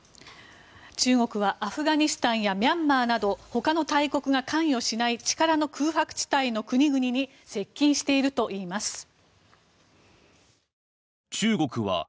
中国はアフガニスタンやミャンマーなど他の大国が関与しない力の空白地帯の国々に接近しているといいます。